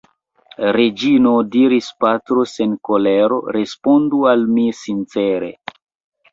Reĝino, diris Petro sen kolero, respondu al mi sincere.